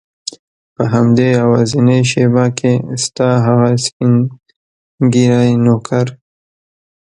په همدې یوازینۍ شېبه کې ستا هغه سپین ږیری نوکر.